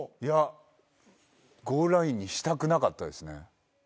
いやゴールラインにしたくなかったですね。